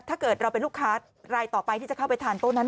ถ้าเกิดเราเป็นลูกค้ารายต่อไปที่จะเข้าไปทานโต๊ะนั้น